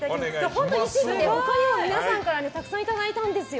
本当に一部で、他にも皆さんからたくさんいただいたんですよ。